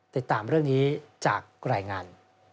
ติดตามเรื่องนี้จากรายงาน